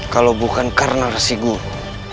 kalau bukan karena resi guru